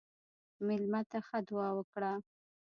مېلمه ته ښه دعا وکړه.